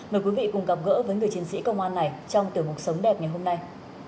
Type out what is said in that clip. mời quý vị cùng gặp gỡ với người chiến sĩ công an này trong tiểu mục sống đẹp ngày hôm nay